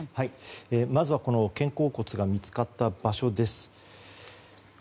まずは肩甲骨が見つかった場所です。